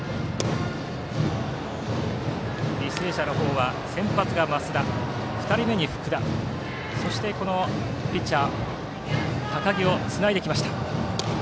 履正社の方は先発が増田、２人目に福田そして高木とつないできました。